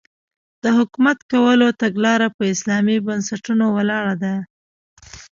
د حکومت کولو تګلاره په اسلامي بنسټونو ولاړه ده.